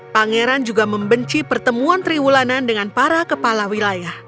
pangeran juga membenci pertemuan triwulanan dengan para kepala wilayah